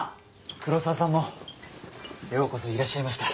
黒沢さんもようこそいらっしゃいました。